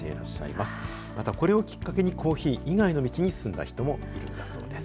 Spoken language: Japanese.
またこれをきっかけに、コーヒー以外の道に進んだ人もいるんだそうです。